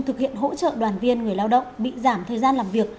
thực hiện hỗ trợ đoàn viên người lao động bị giảm thời gian làm việc